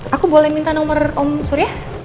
aku boleh minta nomor om surya